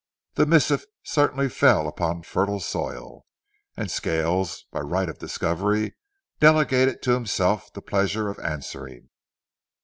The missive certainly fell upon fertile soil, and Scales, by right of discovery, delegated to himself the pleasure of answering.